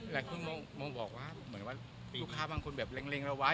แล้วคุณมองบอกว่าเหมือนว่าลูกค้าบางคนแบบเล็งระวาย